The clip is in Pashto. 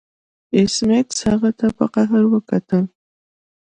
ایس میکس هغه ته په قهر وکتل